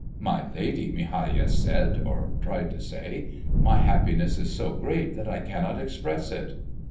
"My lady," Migajas said, or tried to say, "my happiness is so great that I cannot express it."